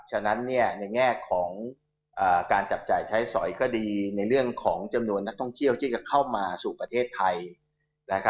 ฉะนั้นในแง่ของการจับจ่ายใช้สอยก็ดีในเรื่องของจำนวนนักท่องเที่ยวที่จะเข้ามาสู่ประเทศไทย